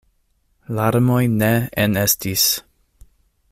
Larmoj ne enestis.